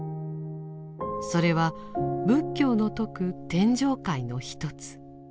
それは仏教の説く天上界の一つ。